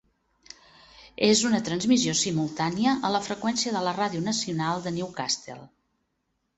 És una transmissió simultània a la freqüència de la radio nacional de Newcastle.